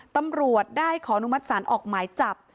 ตำรวจได้ขอนุมัติศาลออกหมายจับ